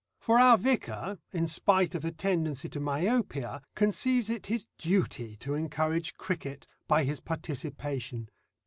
For our vicar, in spite of a tendency to myopia, conceives it his duty to encourage cricket by his participation.